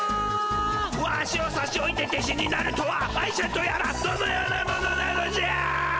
ワシをさしおいて弟子になるとは愛ちゃんとやらどのような者なのじゃ。